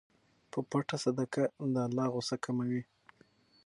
په پټه صدقه د الله غصه کموي.